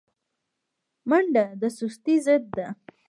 منډه د سستۍ ضد ده